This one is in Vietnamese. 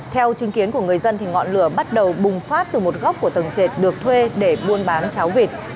theo chứng kiến của người dân ngọn lửa bắt đầu bùng phát từ một góc của tầng trệt được thuê để buôn bán cháo vịt